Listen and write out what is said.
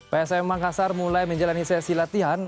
psm makassar mulai menjalani sesi latihan